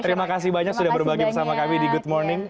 terima kasih banyak sudah berbagi bersama kami di good morning